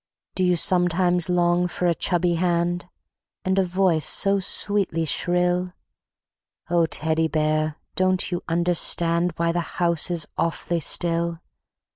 Do you sometimes long for a chubby hand, And a voice so sweetly shrill? O Teddy Bear! don't you understand Why the house is awf'ly still?